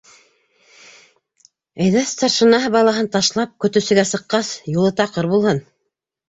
Әйҙә, старшина балаһын ташлап, көтөүсегә сыҡҡас, юлы таҡыр булһын.